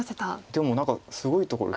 でも何かすごいところ。